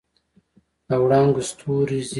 د وړانګو ستوري زیږي